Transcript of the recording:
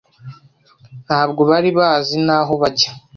Ntabwo bari bazi n'aho bajya.